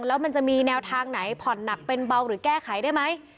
แล้วมันจะมีแนวทางไหนผ่อนหนักเป็นเบาหรือแก้ไขได้ไหม